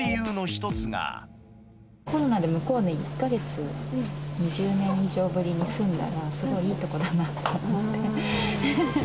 コロナで向こうに１か月、２０年以上ぶりくらいに住んだら、すごいいい所だなと思って。